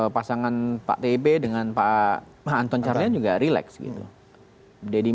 pasangan pak t b dengan pak anton carlyan juga relax gitu